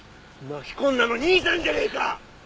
巻き込んだの兄さんじゃねえか！